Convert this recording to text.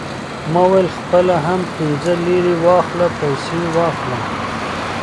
ما وویل: خپله هم پنځه لېرې واخله، پیسې واخله.